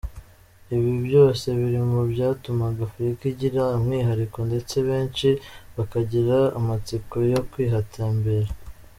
Ibi byose biri mu byatumaga Afurika igira umwihariko ndetse benshi bakagira amatsiko yo kuhatembera.